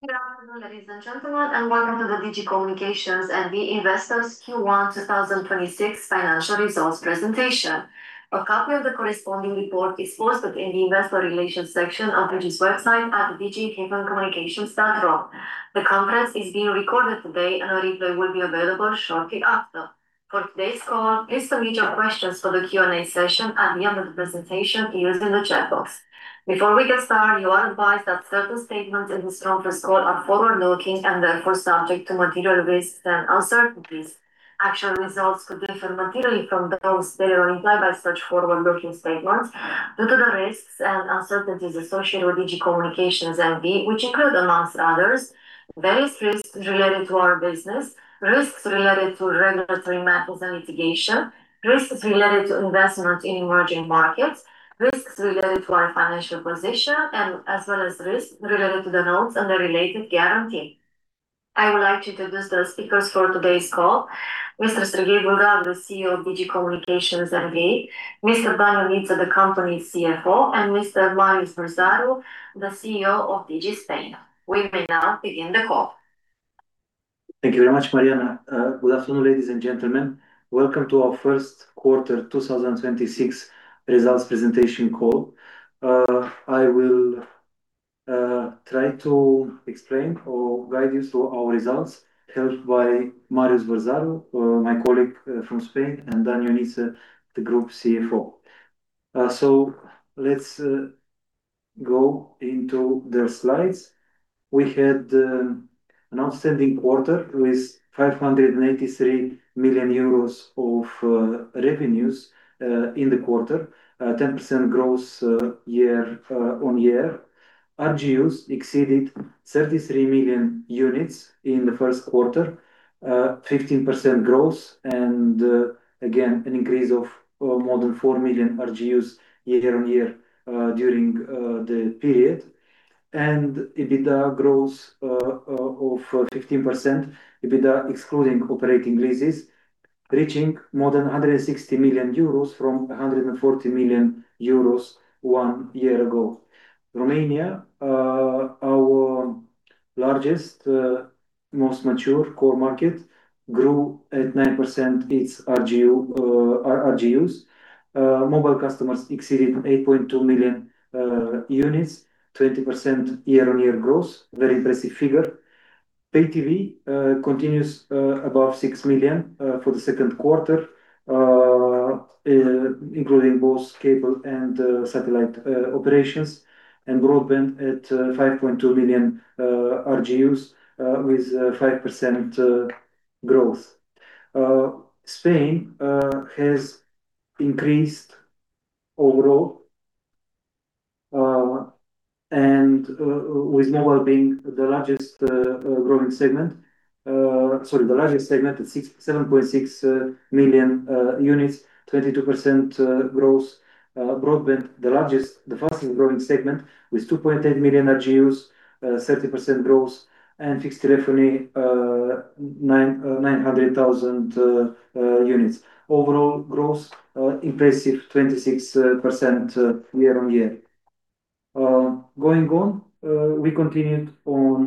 Good afternoon, ladies and gentlemen, and welcome to the Digi Communications and the Investors Q1 2026 financial results presentation. A copy of the corresponding report is posted in the Investor Relations section of Digi's website at digicommunications.ro. The conference is being recorded today, and a replay will be available shortly after. For today's call, please submit your questions for the Q&A session at the end of the presentation using the chat box. Before we get started, you are advised that certain statements in this conference call are forward-looking and therefore subject to material risks and uncertainties. Actual results could differ materially from those that are implied by such forward-looking statements due to the risks and uncertainties associated with Digi Communications N.V., which include, among others, various risks related to our business, risks related to regulatory matters and litigation, risks related to investment in emerging markets, risks related to our financial position, and as well as risks related to the notes and the related guarantee. I would like to introduce the speakers for today's call. Mr. Serghei Bulgac, the CEO of Digi Communications N.V., Mr. Dan Ionita, the company's CFO, and Mr. Marius Varzaru, the CEO of Digi Spain. We may now begin the call. Thank you very much, Mariana. Good afternoon, ladies and gentlemen. Welcome to our first quarter 2026 results presentation call. I will try to explain or guide you through our results, helped by Marius Varzaru, my colleague from Spain, and Dan Ionita, the group CFO. Let's go into the slides. We had an outstanding quarter with 583 million euros of revenues in the quarter, 10% growth year-on-year. RGUs exceeded 33 million units in the first quarter, 15% growth, and again, an increase of more than 4 million RGUs year-on-year during the period. EBITDA growth of 15%. EBITDA excluding operating leases, reaching more than 160 million euros from 140 million euros one year ago. Romania, our largest, most mature core market, grew at 9% its RGU, RGUs. Mobile customers exceeded 8.2 million units, 20% year-on-year growth. Very impressive figure. Pay TV continues above 6 million for the second quarter, including both cable and satellite operations and broadband at 5.2 million RGUs, with 5% growth. Spain has increased overall, and with mobile being the largest growing segment. Sorry, the largest segment at 7.6 million units, 22% growth. Broadband, the largest, the fastest-growing segment with 2.8 million RGUs, 30% growth and fixed telephony, 900,000 units. Overall growth, impressive, 26% year-on-year. Going on, we continued on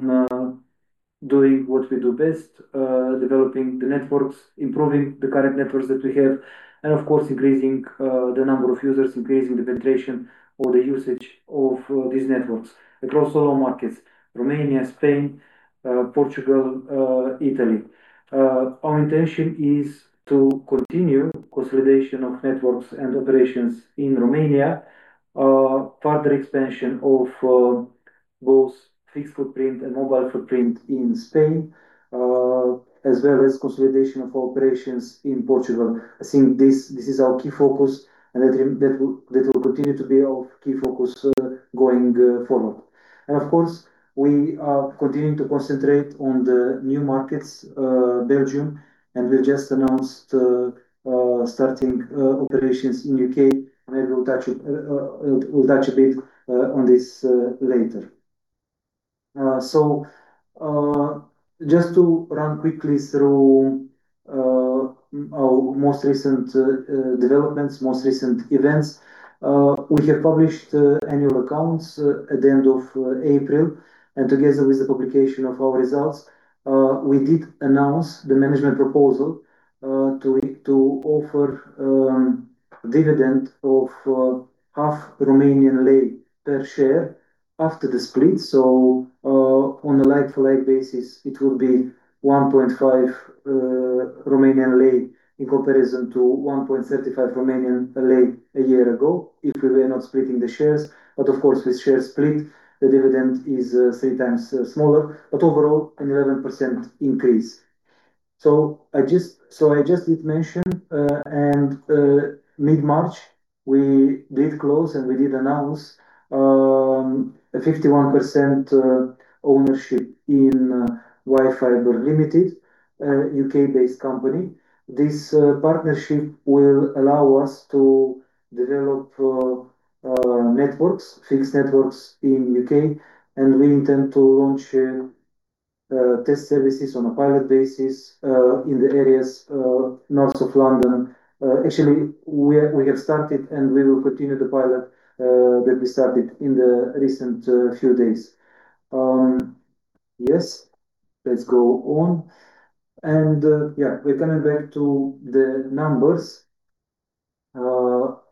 doing what we do best, developing the networks, improving the current networks that we have, and of course, increasing the number of users, increasing the penetration or the usage of these networks across all our markets, Romania, Spain, Portugal, Italy. Our intention is to continue consolidation of networks and operations in Romania, further expansion of both fixed footprint and mobile footprint in Spain, as well as consolidation of operations in Portugal. I think this is our key focus and that will continue to be our key focus going forward. Of course, we are continuing to concentrate on the new markets, Belgium, and we've just announced starting operations in U.K. Maybe we'll touch a bit on this later. Just to run quickly through our most recent developments, most recent events. We have published annual accounts at the end of April, and together with the publication of our results, we did announce the management proposal to offer dividend of RON 0.50 per share after the split. On a like-for-like basis, it will be RON 1.5 in comparison to RON 1.35 a year ago if we were not splitting the shares. Of course, with share split, the dividend is three times smaller, but overall, an 11% increase. I just did mention, mid-March, we did close and we did announce a 51% ownership in Whyfibre Limited, a U.K.-based company. This partnership will allow us to develop networks, fixed networks in U.K. We intend to launch test services on a pilot basis in the areas north of London. Actually, we have started and we will continue the pilot that we started in the recent few days. Yes. Let's go on. We're coming back to the numbers. Overall,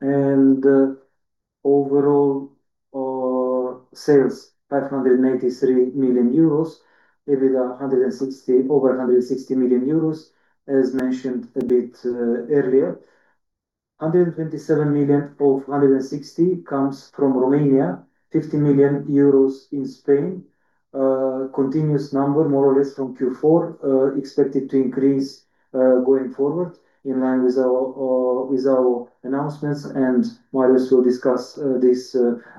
sales, 583 million euros, EBITDA over 160 million euros, as mentioned a bit earlier. 127 million of 160 comes from Romania. 50 million euros in Spain. Continuous number more or less from Q4, expected to increase, going forward in line with our, with our announcements and Marius will discuss this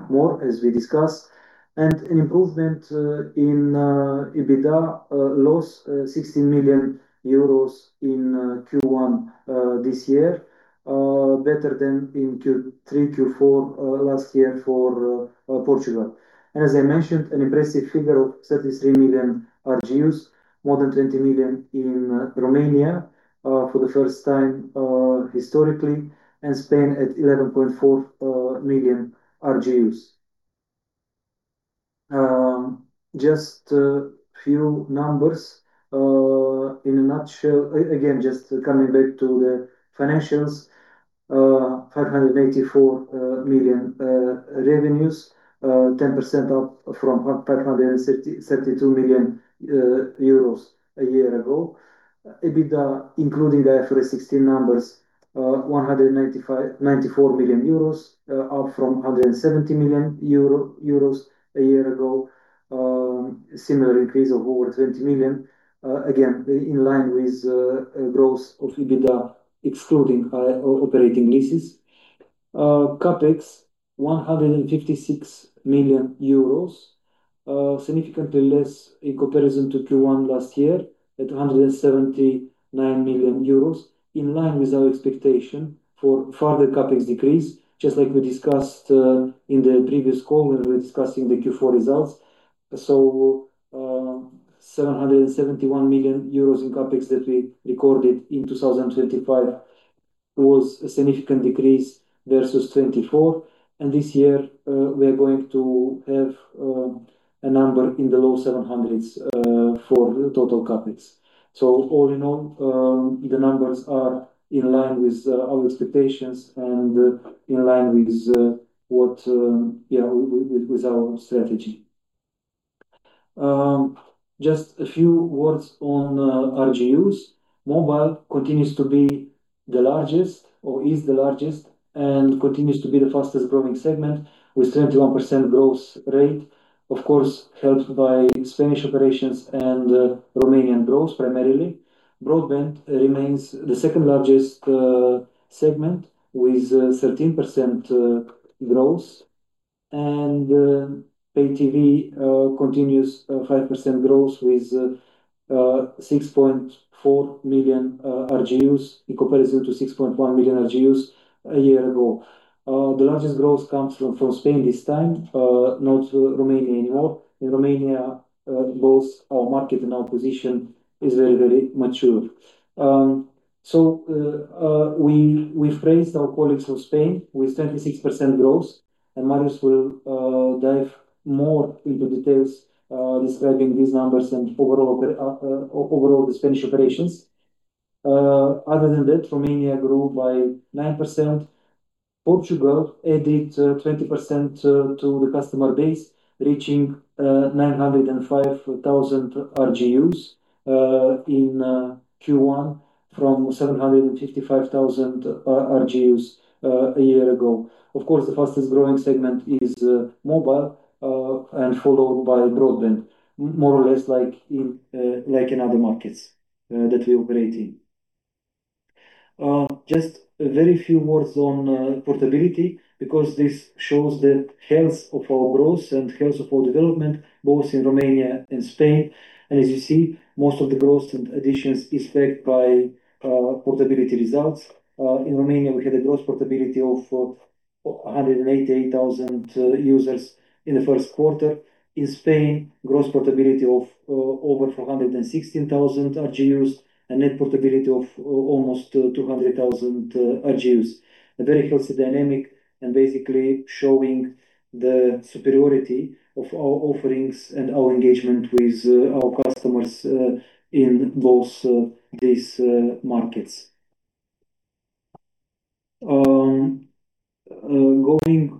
more as we discuss. An improvement in EBITDA loss, 16 million euros in Q1 this year, better than in Q3, Q4 last year for Portugal. As I mentioned, an impressive figure of 33 million RGUs, more than 20 million in Romania for the first time historically, Spain at 11.4 million RGUs. Just a few numbers. Just coming back to the financials, 584 million revenues, 10% up from 532 million euros a year ago. EBITDA, including the IFRS 16 numbers, 194 million euros, up from 170 million euro a year ago. Similar increase of over 20 million, again, in line with growth of EBITDA excluding operating leases. CapEx, 156 million euros, significantly less in comparison to Q1 last year at 179 million euros, in line with our expectation for further CapEx decrease, just like we discussed in the previous call when we were discussing the Q4 results. 771 million euros in CapEx that we recorded in 2025 was a significant decrease versus 2024. This year, we are going to have a number in the low EUR 700s million for the total CapEx. All in all, the numbers are in line with our expectations and in line with what our strategy. Just a few words on RGUs. Mobile continues to be the largest or is the largest and continues to be the fastest-growing segment with 21% growth rate, of course, helped by Spanish operations and Romanian growth primarily. Broadband remains the second-largest segment with 13% growth. Pay TV continues 5% growth with 6.4 million RGUs in comparison to 6.1 million RGUs a year ago. The largest growth comes from Spain this time, not Romania anymore. In Romania, both our market and our position is very mature. We praised our colleagues from Spain with 26% growth, and Marius will dive more into details describing these numbers and overall the Spanish operations. Other than that, Romania grew by 9%. Portugal added 20% to the customer base, reaching 905,000 RGUs in Q1 from 755,000 RGUs a year ago. Of course, the fastest-growing segment is mobile and followed by broadband, more or less like in other markets that we operate in. Just a very few words on portability because this shows the health of our growth and health of our development, both in Romania and Spain. As you see, most of the growth and additions is backed by portability results. In Romania, we had a gross portability of 188,000 users in the first quarter. In Spain, gross portability of over 416,000 RGUs and net portability of almost 200,000 RGUs. A very healthy dynamic and basically showing the superiority of our offerings and our engagement with our customers in those, these markets. Going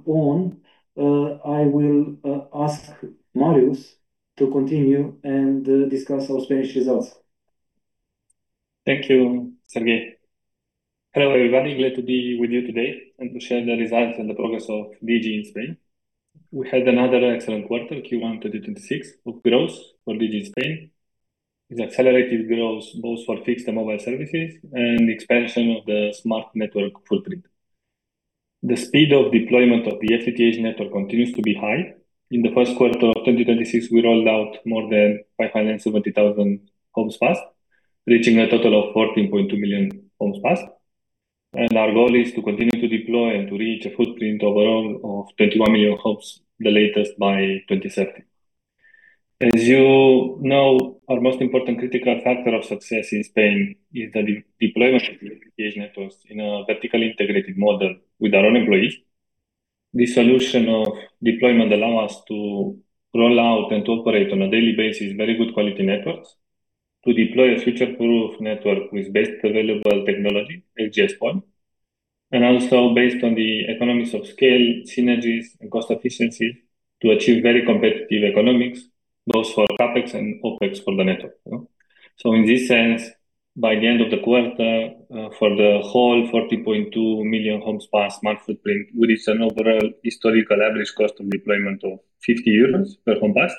on, I will ask Marius to continue and discuss our Spanish results. Thank you, Serghei. Hello, everybody. Glad to be with you today and to share the results and the progress of Digi Spain. We had another excellent quarter, Q1 2026, of growth for Digi Spain. With accelerated growth both for fixed and mobile services and the expansion of the smart network footprint. The speed of deployment of the FTTH network continues to be high. In the first quarter of 2026, we rolled out more than 570,000 homes passed, reaching a total of 14.2 million homes passed. Our goal is to continue to deploy and to reach a footprint overall of 21 million homes, the latest by 2070. As you know, our most important critical factor of success in Spain is the deployment of FTTH networks in a vertically integrated model with our own employees. This solution of deployment allow us to roll out and to operate on a daily basis very good quality networks. To deploy a future-proof network with best available technology at this point, and also based on the economies of scale, synergies and cost efficiencies to achieve very competitive economics, both for CapEx and OpEx for the network. In this sense, by the end of the quarter, for the whole 14.2 million homes passed month footprint, with its overall historical average cost of deployment of 50 euros per home passed,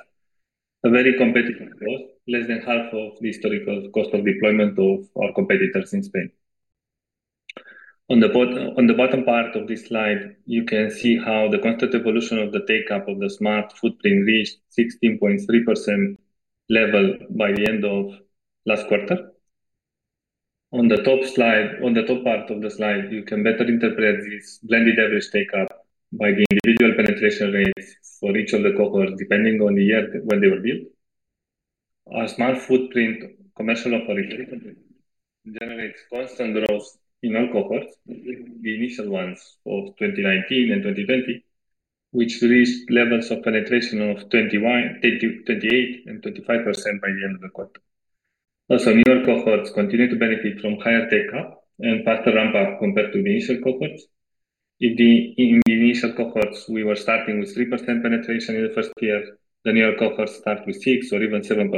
a very competitive cost, less than half of the historical cost of deployment of our competitors in Spain. On the bottom part of this slide, you can see how the constant evolution of the take-up of the smart footprint reached 16.3% level by the end of last quarter. On the top slide, on the top part of the slide, you can better interpret this blended average take-up by the individual penetration rates for each of the cohorts, depending on the year when they were built. Our smart footprint commercial operation generates constant growth in all cohorts, including the initial ones of 2019 and 2020, which reached levels of penetration of 21%, 20%, 28% and 25% by the end of the quarter. Newer cohorts continue to benefit from higher take-up and faster ramp-up compared to the initial cohorts. In the initial cohorts, we were starting with 3% penetration in the first year. The newer cohorts start with 6% or even 7%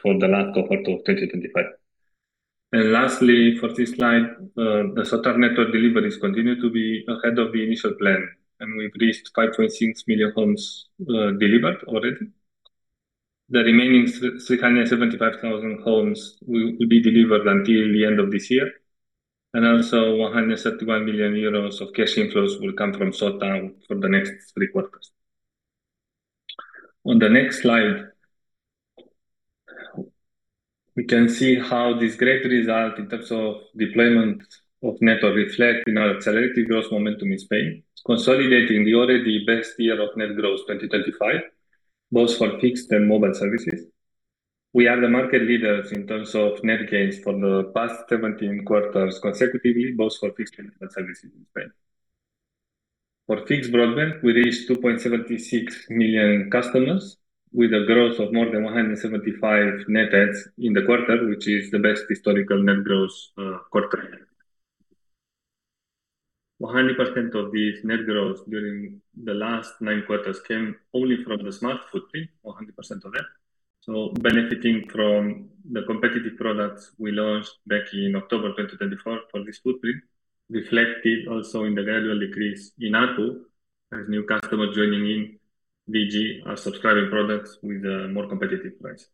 for the last cohort of 2025. Lastly, for this slide, the SOTA network deliveries continue to be ahead of the initial plan, and we've reached 5.6 million homes delivered already. The remaining 375,000 homes will be delivered until the end of this year. Also, 131 million euros of cash inflows will come from SOTA for the next three quarters. On the next slide, we can see how this great result in terms of deployment of network reflect in our accelerated growth momentum in Spain, consolidating the already best year of net growth, 2025, both for fixed and mobile services. We are the market leaders in terms of net gains for the past 17 quarters consecutively, both for fixed and mobile services in Spain. For fixed broadband, we reached 2.76 million customers with a growth of more than 175 net adds in the quarter, which is the best historical net growth quarter year. 100% of this net growth during the last nine quarters came only from the smart footprint, 100% of that. Benefiting from the competitive products we launched back in October 2024 for this footprint, reflected also in the gradual decrease in ARPU as new customers joining in Digi are subscribing products with a more competitive price.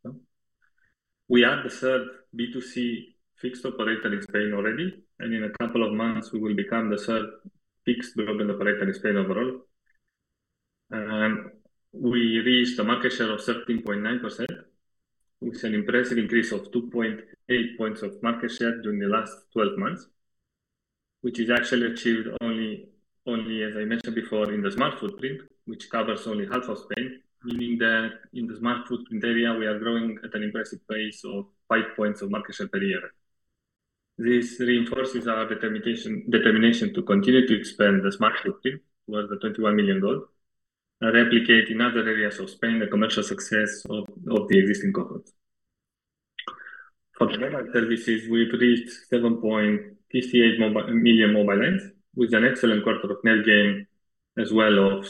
We are the third B2C fixed operator in Spain already. In a couple of months we will become the third fixed broadband operator in Spain overall. We reached a market share of 13.9%. It's an impressive increase of 2.8 points of market share during the last 12 months, which is actually achieved only as I mentioned before, in the smart footprint, which covers only half of Spain, meaning that in the smart footprint area we are growing at an impressive pace of 5 points of market share per year. This reinforces our determination to continue to expand the smart footprint towards the 21 million goal, and replicate in other areas of Spain the commercial success of the existing cohorts. For the mobile services, we reached 7.58 million mobile adds, with an excellent quarter of net gain as well of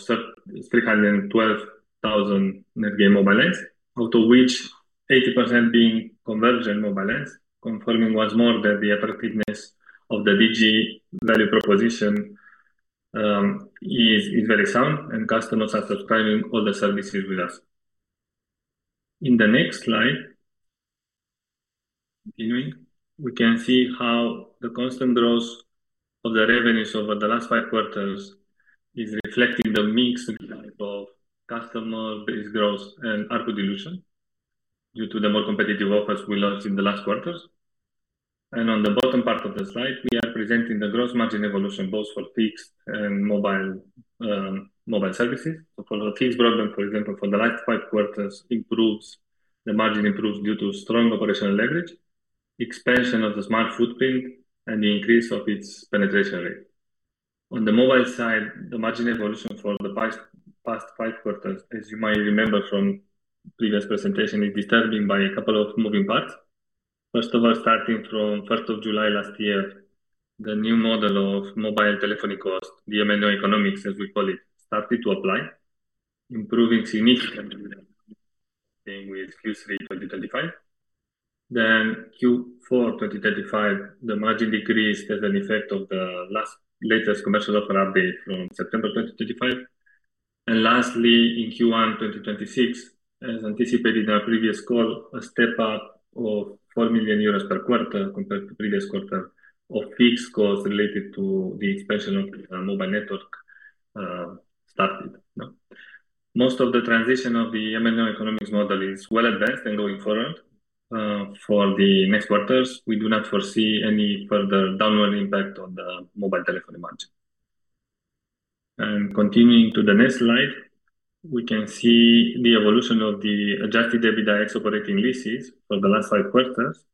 312,000 net gain mobile adds, out of which 80% being convergent mobile adds, confirming once more that the attractiveness of the Digi value proposition is very sound and customers are subscribing all the services with us. In the next slide, continuing, we can see how the constant growth of the revenues over the last five quarters is reflecting the mix of customer base growth and ARPU dilution due to the more competitive offers we launched in the last quarters. On the bottom part of the slide, we are presenting the gross margin evolution both for fixed and mobile mobile services. For the fixed broadband, for example, for the last five quarters improves, the margin improves due to strong operational leverage, expansion of the smart footprint and the increase of its penetration rate. On the mobile side, the margin evolution for the past five quarters, as you might remember from previous presentation, is determined by a couple of moving parts. First of all, starting from first of July last year, the new model of mobile telephony cost, the MNO economics, as we call it, started to apply, improving significantly starting with Q3 2025. Q4 2025, the margin decreased as an effect of the latest commercial offer update from September 2025. Lastly, in Q1 2026, as anticipated in our previous call, a step up of 4 million euros per quarter compared to previous quarter of fixed costs related to the expansion of the mobile network started. Most of the transition of the MNO economics model is well advanced and going forward. For the next quarters, we do not foresee any further downward impact on the mobile telephone margin. Continuing to the next slide, we can see the evolution of the adjusted EBITDA ex operating leases for the last five quarters,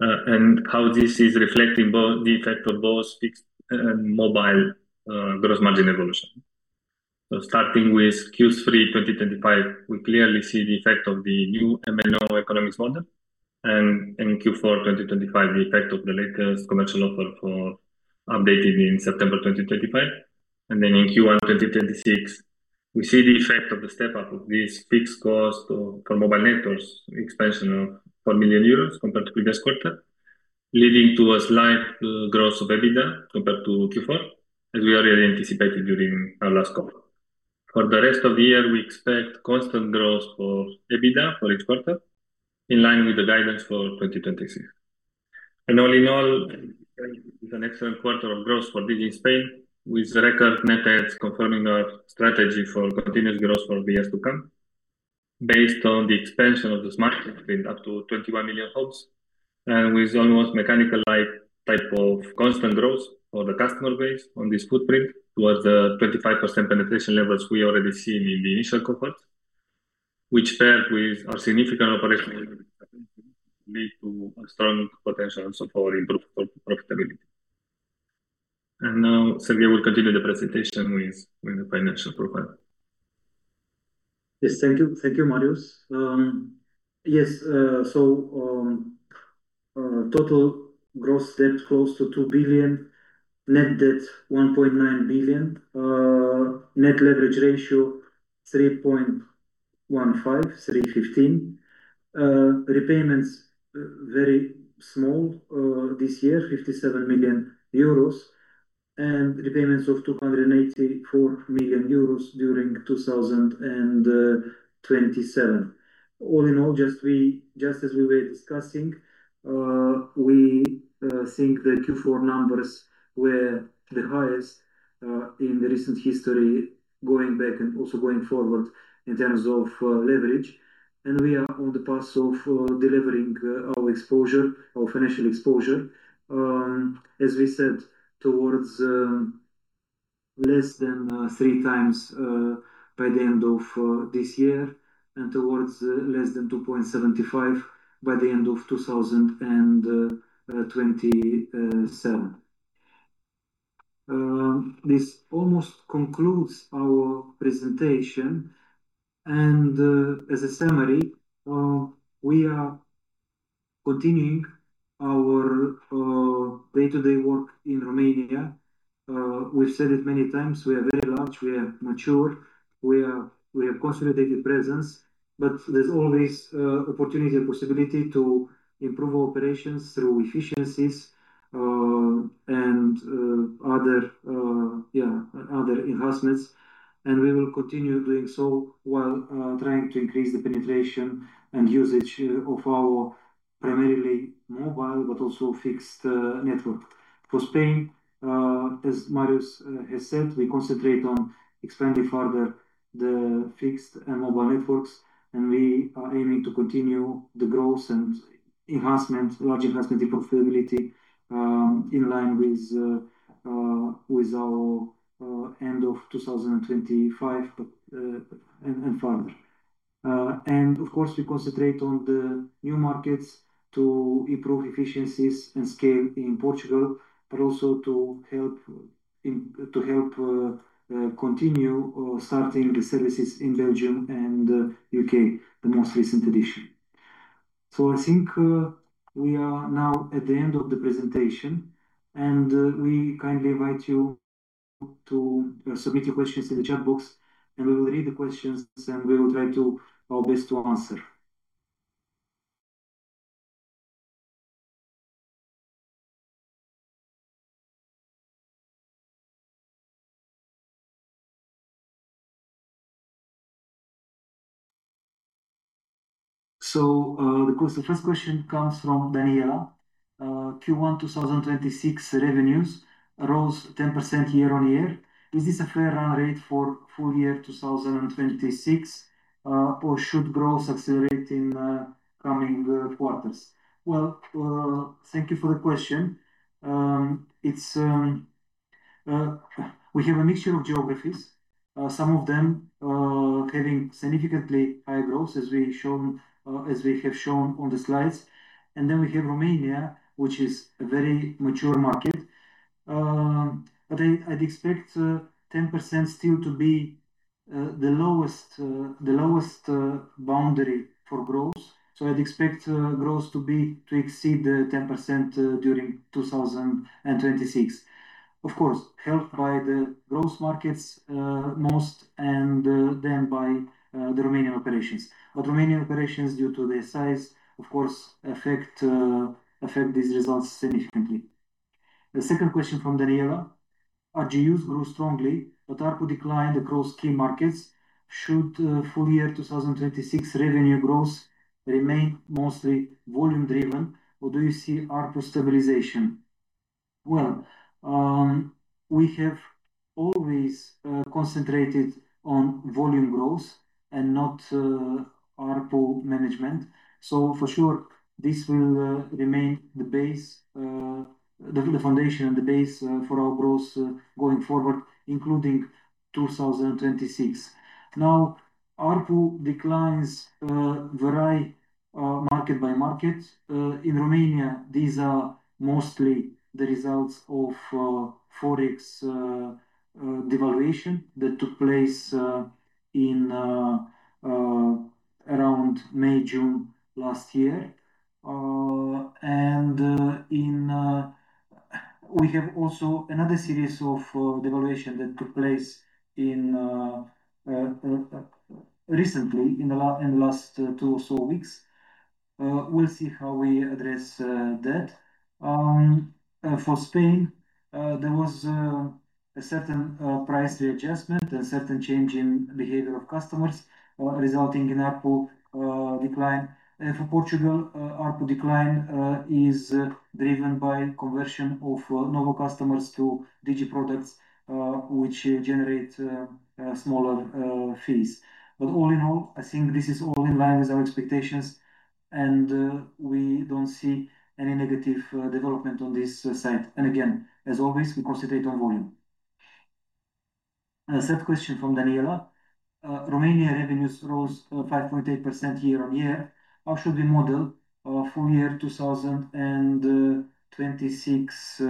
and how this is reflecting the effect of both fixed and mobile gross margin evolution. Starting with Q3 2025, we clearly see the effect of the new MNO economics model and in Q4 2025, the effect of the latest commercial offer for updated in September 2025. In Q1 2026, we see the effect of the step-up of this fixed cost for mobile networks expansion of 4 million euros compared to previous quarter, leading to a slight growth of EBITDA compared to Q4, as we already anticipated during our last call. For the rest of the year, we expect constant growth for EBITDA for each quarter in line with the guidance for 2026. All in all, it's an excellent quarter of growth for Digi Spain with record net adds confirming our strategy for continuous growth for the years to come. Based on the expansion of the smart footprint up to 21 million homes, with almost mechanical-like type of constant growth for the customer base on this footprint towards the 25% penetration levels we already see in the initial cohort, which paired with our significant operational lead to a strong potential also for improved pro-profitability. Now, Serghei will continue the presentation with the financial profile. Yes. Thank you. Thank you, Marius. Total gross debt close to 2 billion. Net debt 1.9 billion. Net leverage ratio 3.15x. Repayments very small this year, 57 million euros, and repayments of 284 million euros during 2027. All in all, just as we were discussing, we think the Q4 numbers were the highest in the recent history going back and also going forward in terms of leverage. We are on the path of delivering our exposure, our financial exposure, as we said, towards less than 3x by the end of this year and towards less than 2.75x by the end of 2027. This almost concludes our presentation. As a summary, we are continuing our day-to-day work in Romania. We've said it many times, we are very large, we are mature, we have consolidated presence, but there's always opportunity and possibility to improve operations through efficiencies, and other investments. We will continue doing so while trying to increase the penetration and usage of our primarily mobile but also fixed network. For Spain, as Marius has said, we concentrate on expanding further the fixed and mobile networks. We are aiming to continue the growth and enhancement, large investment in profitability, in line with our end of 2025, but, and further. Of course, we concentrate on the new markets to improve efficiencies and scale in Portugal, but also to help continue starting the services in Belgium and U.K., the most recent addition. I think we are now at the end of the presentation, and we kindly invite you to submit your questions in the chat box, and we will read the questions, and we will try to our best to answer. The first question comes from Daniela. Q1 2026 revenues rose 10% year-over-year. Is this a fair run rate for full year 2026, or should growth accelerate in coming quarters? Well, thank you for the question. We have a mixture of geographies, some of them having significantly higher growth as we have shown on the slides. We have Romania, which is a very mature market. I'd expect 10% still to be the lowest boundary for growth. I'd expect growth to be to exceed 10% during 2026. Of course, helped by the growth markets, most and then by the Romanian operations. Romanian operations, due to their size, of course, affect these results significantly. The second question from Daniela. RGUs grew strongly, but ARPU declined across key markets. Should full year 2026 revenue growth remain mostly volume-driven, or do you see ARPU stabilization? Well, we have always concentrated on volume growth and not ARPU management. For sure, this will remain the foundation and the base for our growth going forward, including 2026. ARPU declines vary market by market. In Romania, these are mostly the results of Forex devaluation that took place around May, June last year. We have also another series of devaluation that took place recently in the last two or so weeks. We'll see how we address that. For Spain, there was a certain price readjustment and certain change in behavior of customers, resulting in ARPU decline. For Portugal, ARPU decline is driven by conversion of Nowo customers to Digi products, which generate smaller fees. All in all, I think this is all in line with our expectations, and we don't see any negative development on this side. Again, as always, we concentrate on volume. Third question from Daniela. Romania revenues rose 5.8% year-on-year. How should we model full year 2026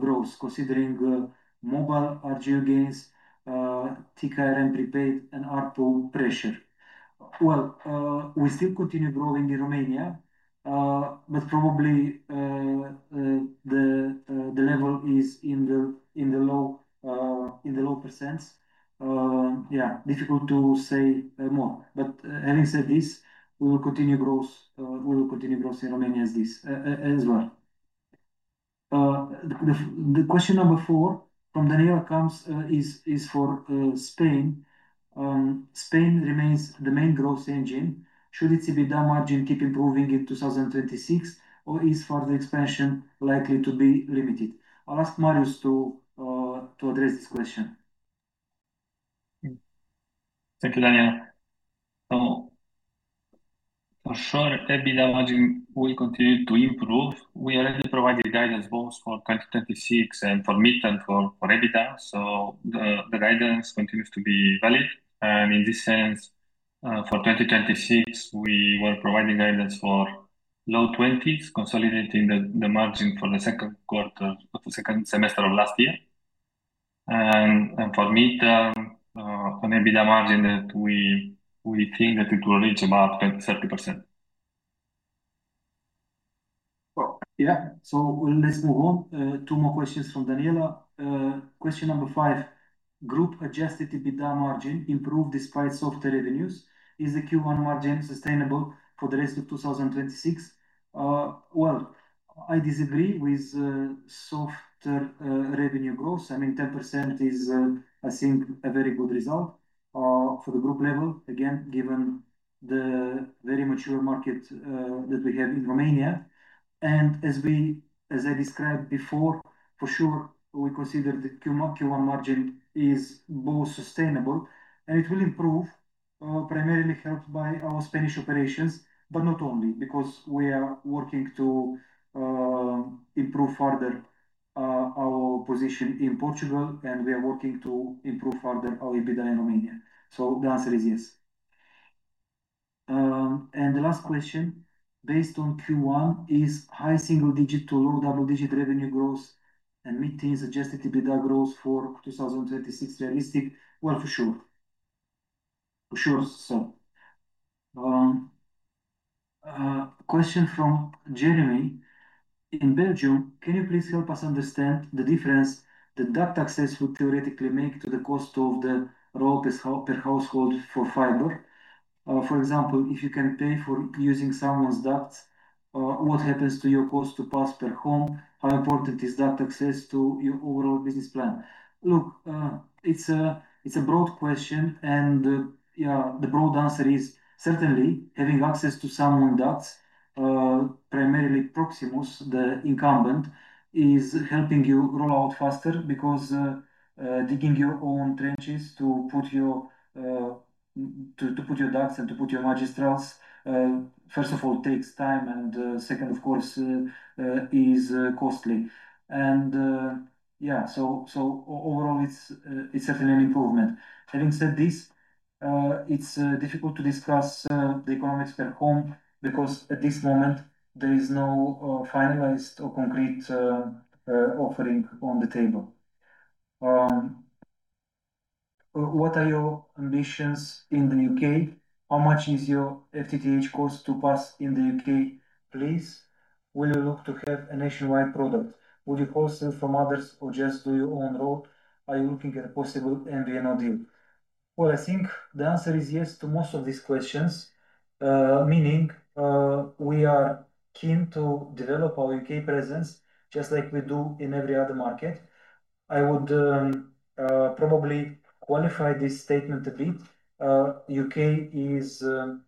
growth considering mobile RGU gains, TKR and prepaid and ARPU pressure? Well, we still continue growing in Romania, but probably the level is in the low percents. Yeah, difficult to say more. Having said this, we will continue growth in Romania as well. The question number four from Daniela comes for Spain. Spain remains the main growth engine. Should its EBITDA margin keep improving in 2026, or is further expansion likely to be limited? I'll ask Marius to address this question. Thank you, Daniela. EBITDA margin will continue to improve. We already provided guidance both for 2026 and for mid and for EBITDA. The guidance continues to be valid. In this sense, for 2026, we were providing guidance for low 20%s, consolidating the margin for the second semester of last year. For mid-term, for EBITDA margin that we think that it will reach about 20%, 30%. Well, yeah. Let's move on. Two more questions from Daniela. Question number five. Group adjusted EBITDA margin improved despite softer revenues. Is the Q1 margin sustainable for the rest of 2026? Well, I disagree with softer revenue growth. I mean, 10% is, I think a very good result, for the group level, again, given the very mature market, that we have in Romania. As I described before, for sure, we consider the Q1 margin is both sustainable, and it will improve, primarily helped by our Spanish operations, but not only, because we are working to improve further our position in Portugal, and we are working to improve further our EBITDA in Romania. The answer is yes. The last question, based on Q1, is high single digit to low double-digit revenue growth and mid-teen adjusted EBITDA growth for 2026 realistic? Well, for sure. Question from Jeremy. In Belgium, can you please help us understand the difference that duct access would theoretically make to the cost of the roll per household for fiber? For example, if you can pay for using someone's ducts, what happens to your cost to pass per home? How important is that access to your overall business plan? Look, it's a broad question, the broad answer is certainly having access to someone ducts, primarily Proximus, the incumbent, is helping you roll out faster because digging your own trenches to put your ducts and to put your magistrals, first of all, takes time, and second, of course, is costly. Overall, it's certainly an improvement. Having said this, it's difficult to discuss the economics per home because at this moment, there is no finalized or concrete offering on the table. What are your ambitions in the U.K.? How much is your FTTH cost to pass in the U.K., please? Will you look to have a nationwide product? Would you wholesale from others or just do your own roll? Are you looking at a possible MVNO deal? Well, I think the answer is yes to most of these questions. Meaning, we are keen to develop our U.K. presence just like we do in every other market. I would probably qualify this statement a bit. U.K. is a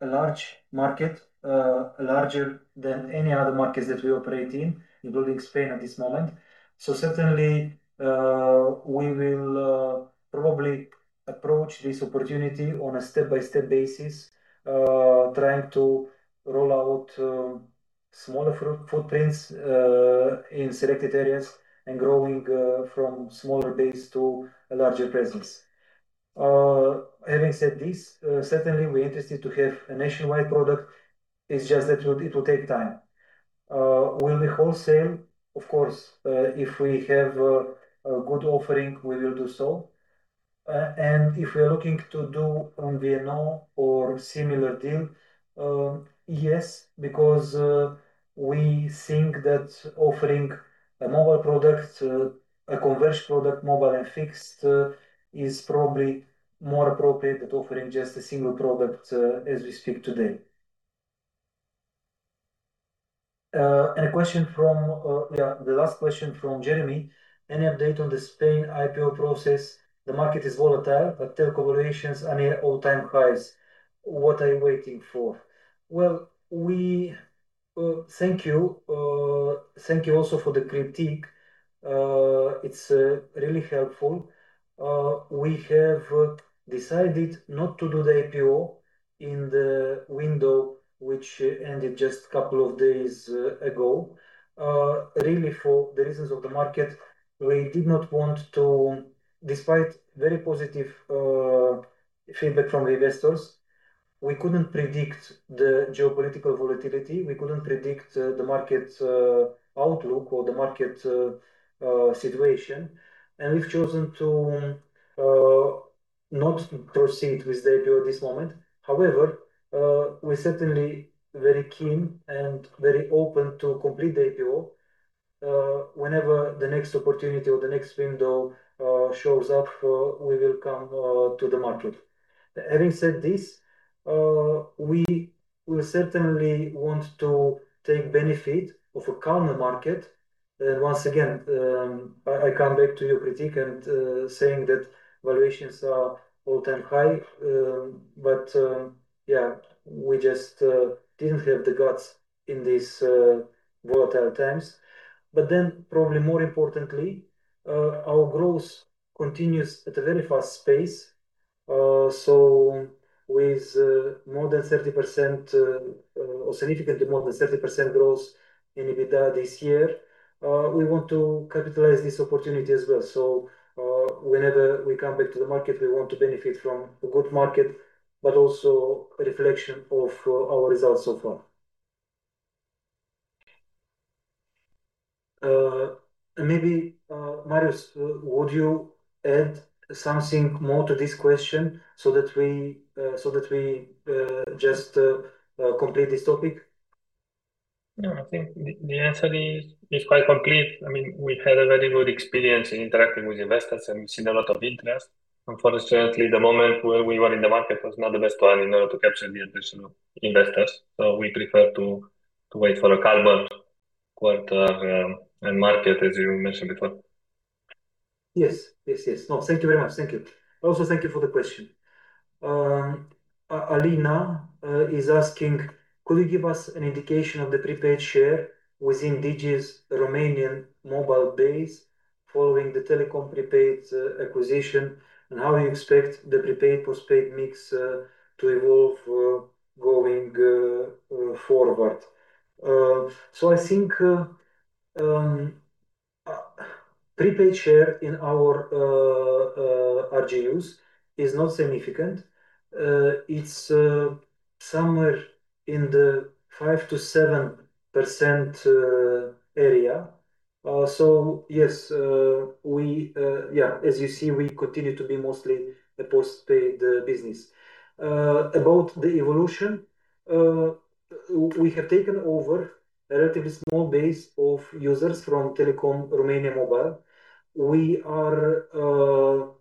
large market, larger than any other markets that we operate in, including Spain at this moment. Certainly, we will probably approach this opportunity on a step-by-step basis, trying to roll out smaller footprints in selected areas and growing from smaller base to a larger presence. Having said this, certainly we're interested to have a nationwide product. It's just that it will take time. Will we wholesale? Of course. If we have a good offering, we will do so. If we're looking to do an MVNO or similar deal, yes, because we think that offering a mobile product, a converged product, mobile and fixed, is probably more appropriate than offering just a single product, as we speak today. A question from the last question from Jeremy. Any update on the Spain IPO process? The market is volatile, but telco valuations are near all-time highs. What are you waiting for? Well, we thank you. Thank you also for the critique. It's really helpful. We have decided not to do the IPO in the window which ended just couple of days ago. Really for the reasons of the market. Despite very positive feedback from the investors, we couldn't predict the geopolitical volatility. We couldn't predict the market's outlook or the market's situation. We've chosen to not proceed with the IPO at this moment. However, we're certainly very keen and very open to complete the IPO. Whenever the next opportunity or the next window shows up, we will come to the market. Having said this, we will certainly want to take benefit of a calmer market. Once again, I come back to your critique and saying that valuations are all-time high. Yeah, we just didn't have the guts in these volatile times. Probably more importantly, our growth continues at a very fast pace. So with more than 30%, or significantly more than 30% growth in EBITDA this year, we want to capitalize this opportunity as well. So whenever we come back to the market, we want to benefit from a good market, but also a reflection of our results so far. And maybe, Marius, would you add something more to this question so that we so that we just complete this topic? I think the answer is quite complete. I mean, we had a very good experience in interacting with investors, and we've seen a lot of interest. Unfortunately, the moment where we were in the market was not the best one in order to capture the attention of investors. We prefer to wait for a calmer quarter and market, as you mentioned before. Yes. Yes. Yes. Thank you very much. Thank you. Also, thank you for the question. Alina is asking, could you give us an indication of the prepaid share within Digi's Romanian mobile base following the Telekom prepaid acquisition? How you expect the prepaid, postpaid mix to evolve going forward? I think prepaid share in our RGUs is not significant. It's somewhere in the 5% to 7% area. Yes, as you see, we continue to be mostly a postpaid business. About the evolution, we have taken over a relatively small base of users from Telekom Romania Mobile. We are,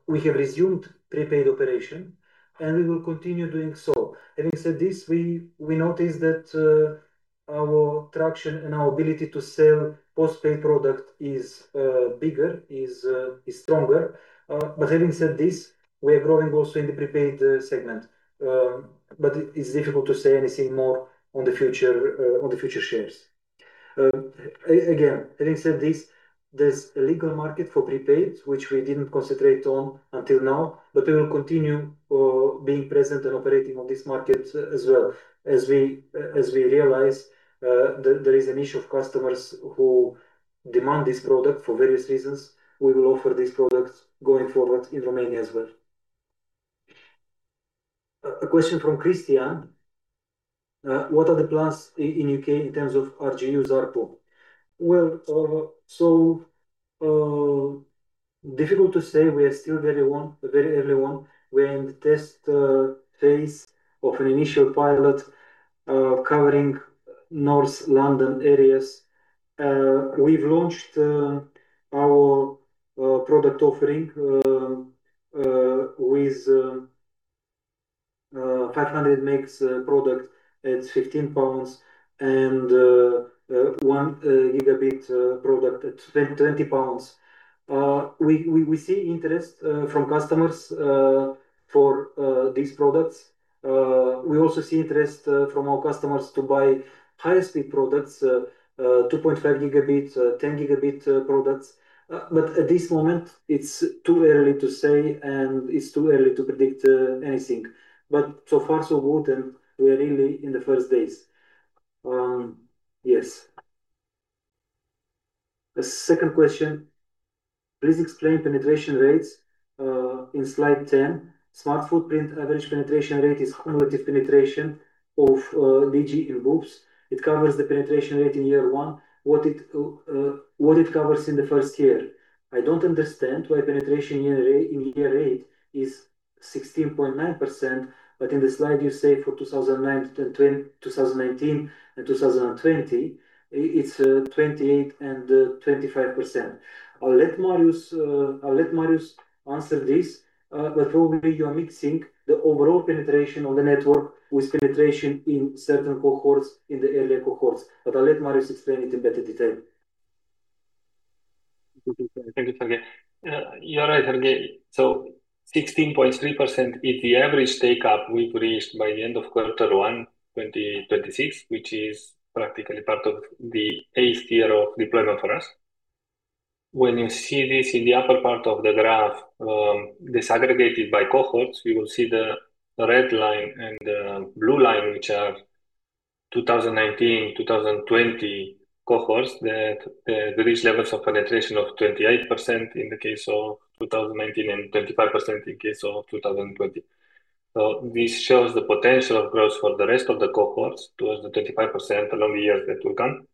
we have resumed prepaid operation, and we will continue doing so. Having said this, we noticed that our traction and our ability to sell postpaid product is bigger, is stronger. Having said this, we are growing also in the prepaid segment. Again, having said this, there's a legal market for prepaid, which we didn't concentrate on until now, but we will continue being present and operating on this market as well. As we realize, there is an issue of customers who demand this product for various reasons. We will offer these products going forward in Romania as well. A question from Christian. What are the plans in U.K. in terms of RGUs ARPU? Well, so, difficult to say. We are still very early one. We're in the test phase of an initial pilot, covering North London areas. We've launched our product offering with 500 megs product. It's 15 pounds and 1 Gb product at 20 pounds. We see interest from customers for these products. We also see interest from our customers to buy higher speed products, 2.5 Gb, 10 Gb products. At this moment, it's too early to say, and it's too early to predict anything. So far, so good, and we are really in the first days. Yes. The second question: Please explain penetration rates in slide 10. Smart footprint average penetration rate is cumulative penetration of Digi in groups. It covers the penetration rate in year one. What it covers in the first year. I don't understand why penetration in year eight is 16.9%, but in the slide you say for 2019 and 2020, it's 28% and 25%. I'll let Marius answer this. Probably you are mixing the overall penetration of the network with penetration in certain cohorts, in the earlier cohorts. I'll let Marius explain it in better detail. Thank you, Serghei. You're right, Serghei. 16.3% is the average take-up we've reached by the end of quarter one 2026, which is practically part of the 8th year of deployment for us. When you see this in the upper part of the graph, disaggregated by cohorts, you will see the red line and the blue line, which are 2019, 2020 cohorts that reach levels of penetration of 28% in the case of 2019 and 25% in case of 2020. This shows the potential of growth for the rest of the cohorts towards the 25% along the years that will come.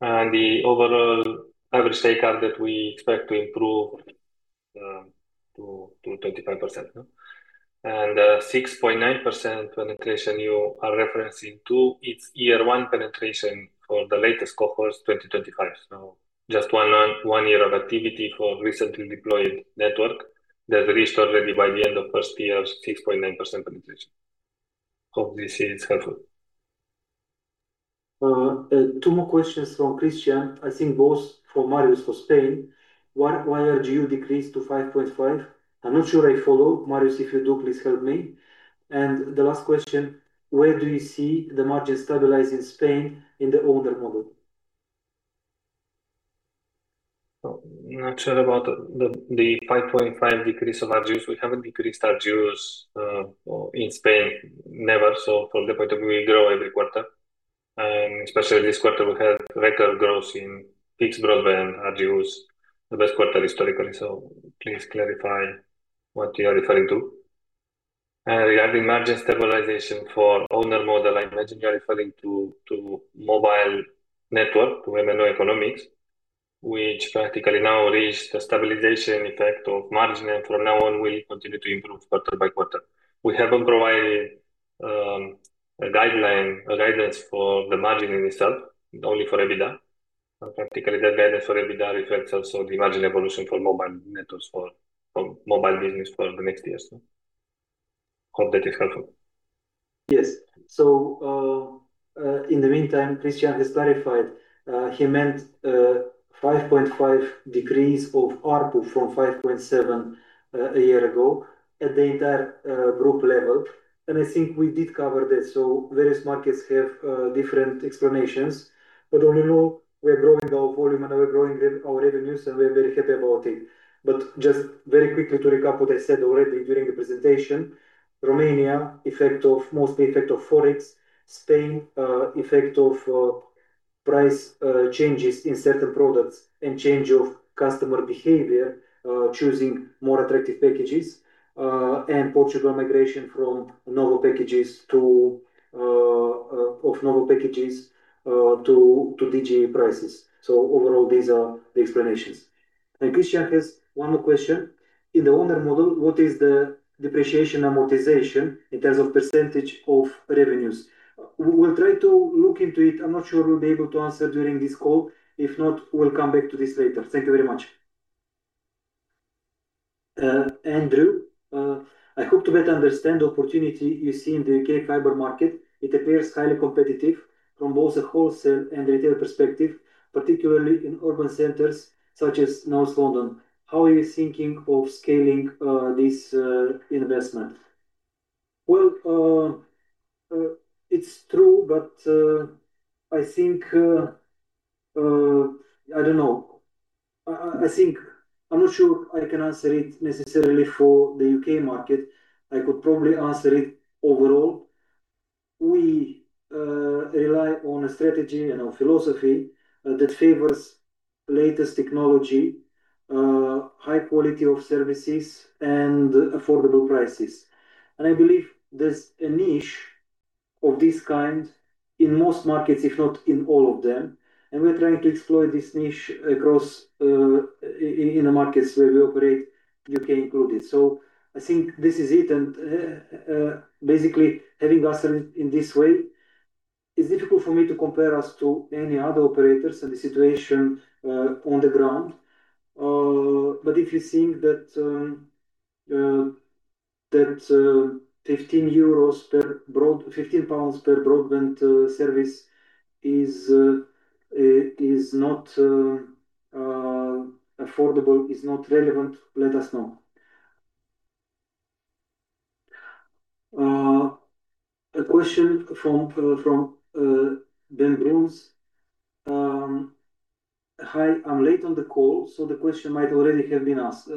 The overall average take-up that we expect to improve to 25%, no? 6.9% penetration you are referencing to, it's year one penetration for the latest cohorts, 2025. Just one year of activity for recently deployed network that reached already by the end of 1st year 6.9% penetration. Hope this is helpful. Two more questions from Christian. I think both for Marius for Spain. Why ARPU decreased to 5.5? I'm not sure I follow. Marius, if you do, please help me. The last question: Where do you see the margin stabilize in Spain in the owner model? I'm not sure about the 5.5 decrease of ARPUs. We haven't decreased ARPUs in Spain, never. From the point of view, we grow every quarter. Especially this quarter, we had record growth in fixed broadband ARPUs, the best quarter historically. Please clarify what you are referring to. Regarding margin stabilization for owner model, I imagine you're referring to mobile network, to MNO economics, which practically now reached a stabilization effect of margin, and from now on will continue to improve quarter by quarter. We haven't provided a guideline, a guidance for the margin in itself, only for EBITDA. Practically, the guidance for EBITDA reflects also the margin evolution for mobile networks, for mobile business for the next year or so. Hope that is helpful. Yes. In the meantime, Christian has clarified. He meant 5.5 decrease of ARPU from 5.7 a year ago at the entire group level. I think we did cover that. Various markets have different explanations. All in all, we are growing our volume and we're growing our revenues, and we're very happy about it. Just very quickly to recap what I said already during the presentation. Romania, effect of, mostly effect of Forex. Spain, effect of price changes in certain products and change of customer behavior, choosing more attractive packages. Portugal migration from Nowo packages to of Nowo packages to Digi prices. Overall, these are the explanations. Christian has one more question. In the owner model, what is the depreciation amortization in terms of percentage of revenues? We'll try to look into it. I'm not sure we'll be able to answer during this call. If not, we'll come back to this later. Thank you very much. Andrew, I hope to better understand the opportunity you see in the U.K. fiber market. It appears highly competitive from both a wholesale and retail perspective, particularly in urban centers such as North London. How are you thinking of scaling this investment? Well, it's true, I think, I don't know. I think I'm not sure I can answer it necessarily for the U.K. market. I could probably answer it overall. We rely on a strategy and a philosophy that favors latest technology, high quality of services and affordable prices. I believe there's a niche of this kind in most markets, if not in all of them. We're trying to explore this niche across in the markets where we operate, U.K. included. I think this is it, and basically having answered in this way, it's difficult for me to compare us to any other operators and the situation on the ground. If you think that GBP 15 per broadband service is not affordable, is not relevant, let us know. A question from Ben Bruns. Hi, I'm late on the call, the question might already have been asked.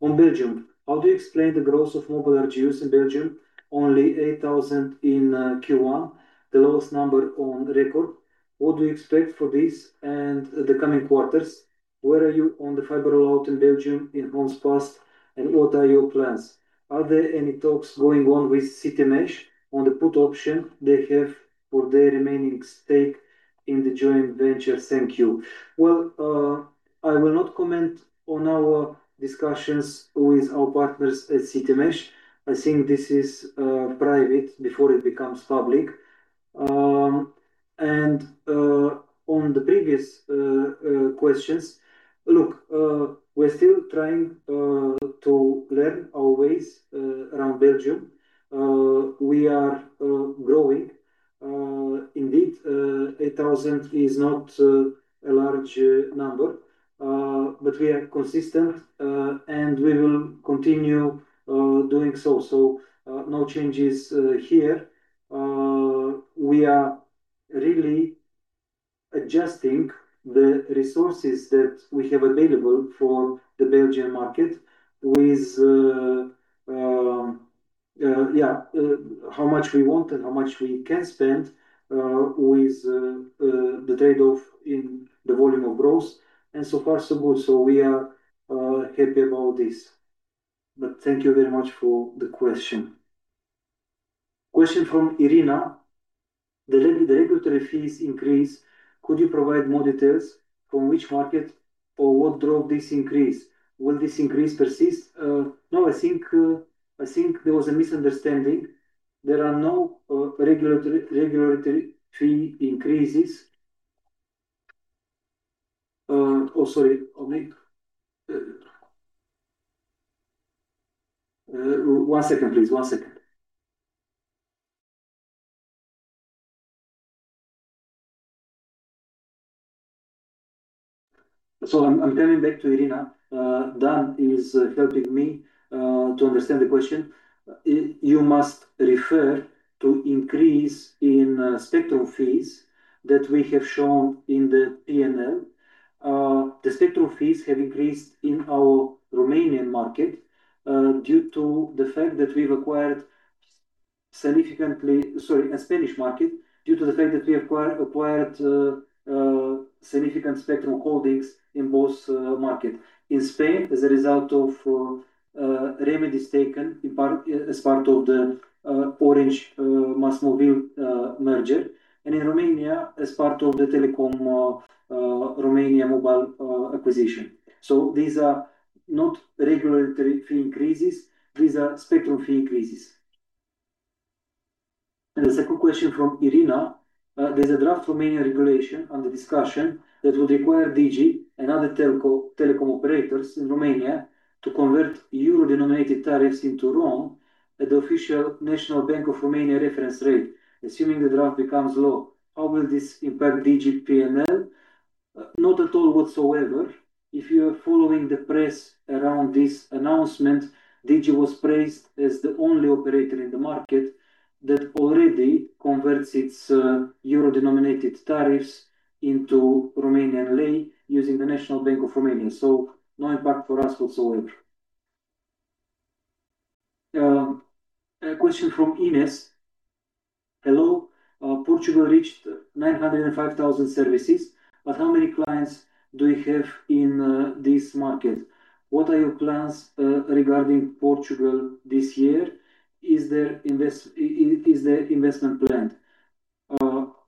On Belgium, how do you explain the growth of mobile RGUs in Belgium, only 8,000 in Q1, the lowest number on record. What do you expect for this and the coming quarters? Where are you on the fiber rollout in Belgium in homes passed, and what are your plans? Are there any talks going on with Citymesh on the put option they have for their remaining stake in the joint venture? Thank you. Well, I will not comment on our discussions with our partners at Citymesh. I think this is private before it becomes public. On the previous questions, look, we're still trying to learn our ways around Belgium. We are growing. Indeed, 8,000 is not a large number, but we are consistent, and we will continue doing so. No changes here. We are really adjusting the resources that we have available for the Belgian market with, yeah, how much we want and how much we can spend, with the trade-off in the volume of growth and so far so good. We are happy about this. Thank you very much for the question. Question from Irina. The regulatory fees increase, could you provide more details from which market or what drove this increase? Will this increase persist? No, I think there was a misunderstanding. There are no regulatory fee increases. Oh, sorry, Oleg. One second, please. One second. I'm coming back to Irina. Dan is helping me to understand the question. You must refer to increase in spectrum fees that we have shown in the P&L. The spectrum fees have increased in our Romanian market, due to the fact that we've acquired significantly- sorry, in Spanish market, due to the fact that we acquired significant spectrum holdings in both market. In Spain, as a result of remedies taken as part of the Orange, MásMóvil merger, and in Romania as part of the Telekom Romania Mobile acquisition. These are not regulatory fee increases. These are spectrum fee increases. The second question from Irina. There's a draft Romanian regulation under discussion that would require Digi and other telecom operators in Romania to convert euro-denominated tariffs into RON at the official National Bank of Romania reference rate. Assuming the draft becomes law, how will this impact Digi P&L? Not at all whatsoever. If you are following the press around this announcement, Digi was praised as the only operator in the market that already converts its euro-denominated tariffs into Romanian lei using the National Bank of Romania. No impact for us whatsoever. A question from Ines. Hello. Portugal reached 905,000 services, but how many clients do you have in this market? What are your plans regarding Portugal this year? Is there investment planned?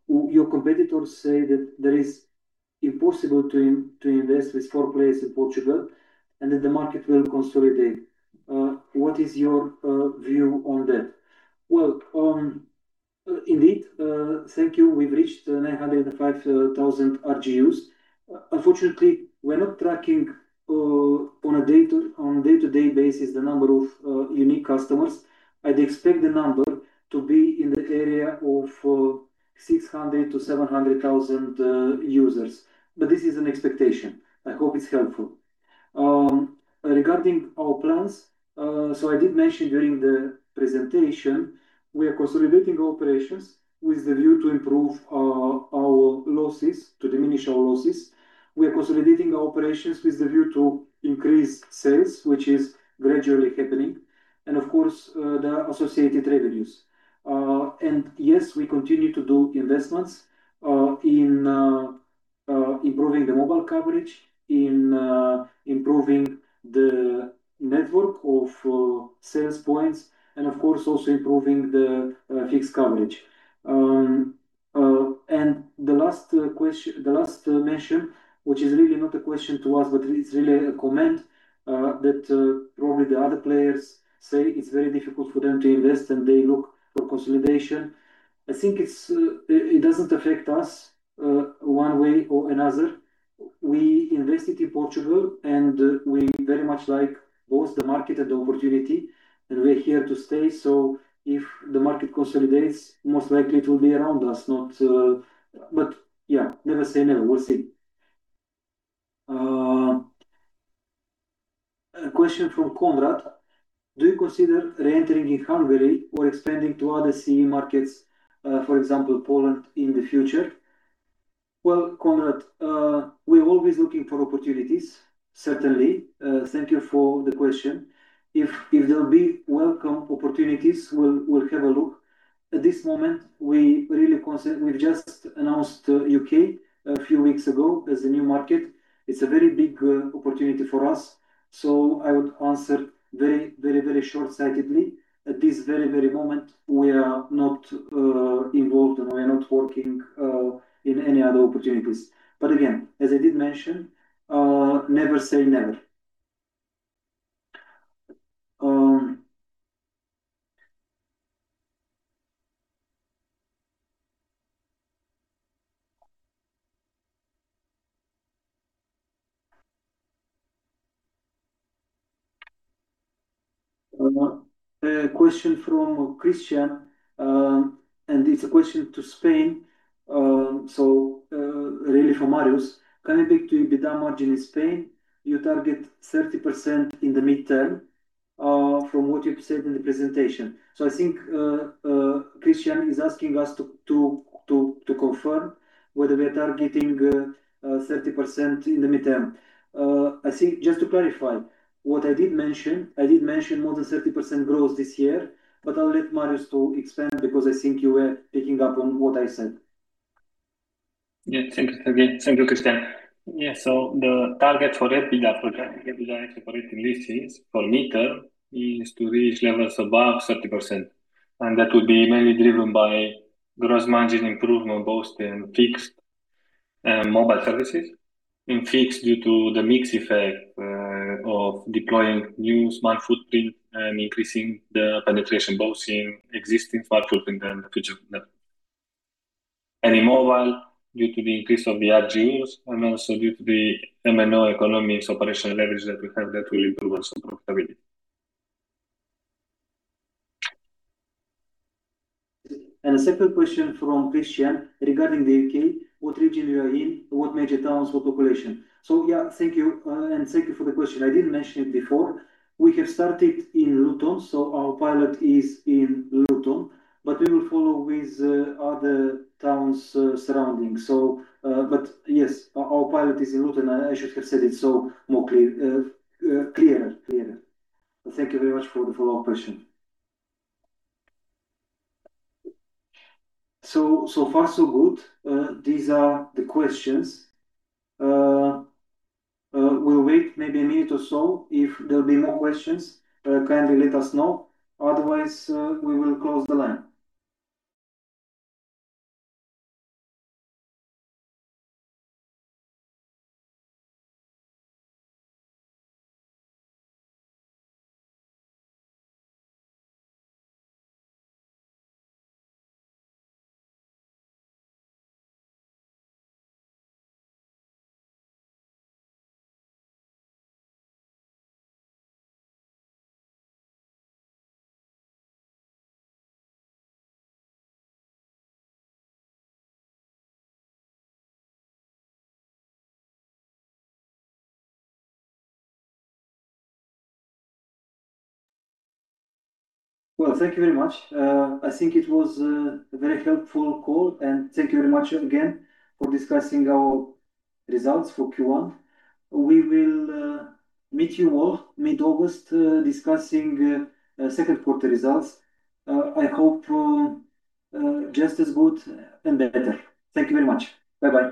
Your competitors say that there is impossible to invest with four players in Portugal and that the market will consolidate. What is your view on that? Well, indeed, thank you. We've reached 905,000 RGUs. Unfortunately, we're not tracking on a day-to-day basis the number of unique customers. I'd expect the number to be in the area of 600,000 to 700,000 users. This is an expectation. I hope it's helpful. Regarding our plans, I did mention during the presentation, we are consolidating operations with the view to improve our losses, to diminish our losses. We are consolidating operations with the view to increase sales, which is gradually happening. Of course, the associated revenues. Yes, we continue to do investments in improving the mobile coverage, in improving the network of sales points, and of course also improving the fixed coverage. The last mention, which is really not a question to us, but it's really a comment, that probably the other players say it's very difficult for them to invest and they look for consolidation. I think it's it doesn't affect us one way or another. We invested in Portugal and we very much like both the market and the opportunity, and we're here to stay. If the market consolidates, most likely it will be around us, not. Yeah, never say never. We'll see. A question from Conrad: Do you consider re-entering in Hungary or expanding to other CE markets, for example, Poland in the future? Well, Conrad, we're always looking for opportunities, certainly. Thank you for the question. If there'll be welcome opportunities, we'll have a look. At this moment, We've just announced U.K. a few weeks ago as a new market. It's a very big opportunity for us. I would answer very, very, very shortsightedly. At this very, very moment, we are not involved and we are not working in any other opportunities. Again, as I did mention, never say never. A question from Christian, it's a question to Spain, really for Marius. Can I pick to EBITDA margin in Spain? You target 30% in the midterm, from what you've said in the presentation. I think Christian is asking us to confirm whether we are targeting 30% in the midterm. I think just to clarify, what I did mention, I did mention more than 30% growth this year, but I'll let Marius to expand because I think you were picking up on what I said. Thank you. Thank you, Christian. The target for the EBITDA operating leases for mid-term is to reach levels above 30%, and that would be mainly driven by gross margin improvement both in fixed and mobile services. In fixed due to the mix effect of deploying new smart footprint and increasing the penetration both in existing footprint and future network. In mobile, due to the increase of the ARPU and also due to the MNO economies operational leverage that we have that will improve our portability. A second question from Christian regarding the U.K., what region you are in, what major towns, what population? Yeah, thank you, and thank you for the question. I didn't mention it before. We have started in Luton, our pilot is in Luton, but we will follow with other towns surrounding. But yes, our pilot is in Luton. I should have said it so more clear, clearer. Thank you very much for the follow-up question. So far so good. These are the questions. We'll wait maybe a minute or so. If there'll be more questions, kindly let us know. Otherwise, we will close the line. Thank you very much. I think it was a very helpful call, and thank you very much again for discussing our results for Q1. We will meet you all mid-August, discussing second quarter results. I hope just as good and better. Thank you very much. Bye-bye.